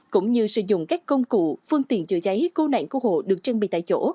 cũng như sử dụng các công cụ phương tiện chữa cháy cưu nạn cưu hộ được trang bị tại chỗ